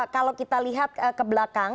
kalau kita lihat ke belakang